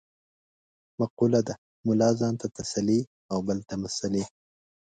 مقوله ده : ملا ځان ته تسلې او بل ته مسعلې کوي.